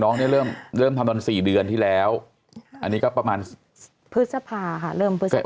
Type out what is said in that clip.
น้องเนี่ยเริ่มเริ่มทำตอน๔เดือนที่แล้วอันนี้ก็ประมาณพฤษภาค่ะเริ่มพฤษภา